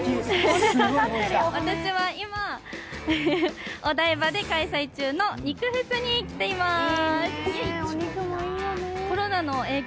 私は今、お台場で開催中の肉フェスに来ています、イエイ。